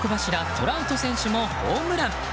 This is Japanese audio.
トラウト選手もホームラン。